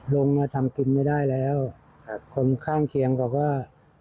ลุงก็ทำกินไม่ได้แล้วครับคนข้างเคียงก็ว่า